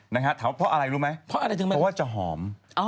ถามกับเพราะอะไรรู้ไหมเพราะว่าจะหอม